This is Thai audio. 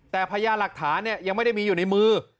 แต่พยานหลักฐานยังไม่ได้มีอยู่ในมือ